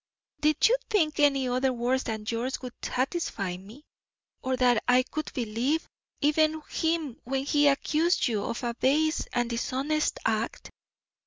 Did you think any other words than yours would satisfy me, or that I could believe even him when he accused you of a base and dishonest act?